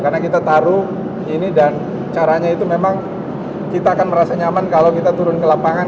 karena kita taruh ini dan caranya itu memang kita akan merasa nyaman kalau kita turun ke lapangan